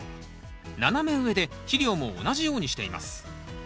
斜め植えで肥料も同じようにしています。